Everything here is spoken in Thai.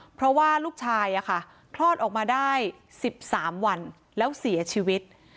เพราะว่าลูกชายคลอดออกมาได้๑๓วันแล้วเสียชีวิต